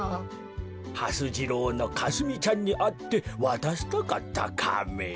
はす次郎のかすみちゃんにあってわたしたかったカメ。